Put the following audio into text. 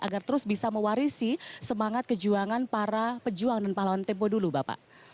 agar terus bisa mewarisi semangat kejuangan para pejuang dan pahlawan tempo dulu bapak